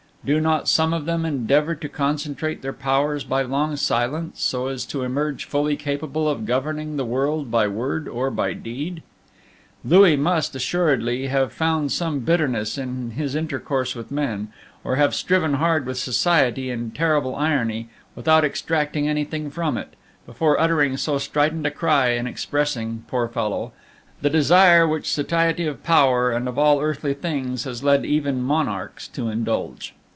Do not some of them endeavor to concentrate their powers by long silence, so as to emerge fully capable of governing the world by word or by deed? Louis must, assuredly, have found much bitterness in his intercourse with men, or have striven hard with Society in terrible irony, without extracting anything from it, before uttering so strident a cry, and expressing, poor fellow, the desire which satiety of power and of all earthly things has led even monarchs to indulge!